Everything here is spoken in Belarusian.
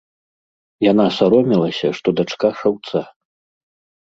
Яна саромелася, што дачка шаўца.